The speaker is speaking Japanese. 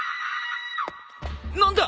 何だ！？